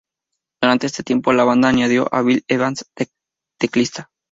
Durante este tiempo, la banda añadió a Bill Evans, teclista.